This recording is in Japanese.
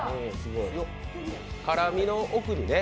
辛みの奥にね。